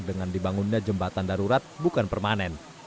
dengan dibangunnya jembatan darurat bukan permanen